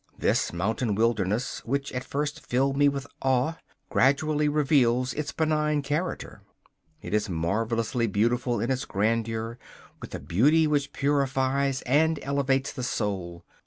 This mountain wilderness, which at first filled me with awe, gradually reveals its benign character. It is marvellously beautiful in its grandeur, with a beauty which purifies and elevates the soul.